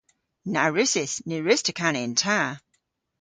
Na wrussys. Ny wruss'ta kana yn ta.